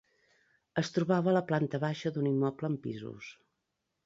Es trobava a la planta baixa d'un immoble amb pisos.